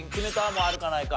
もうあるかないか。